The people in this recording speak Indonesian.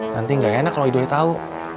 nanti nggak enak kalau idoi tahu